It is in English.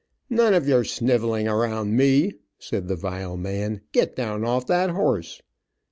"None of your sniveling around me," said the vile man. "Get down off that horse."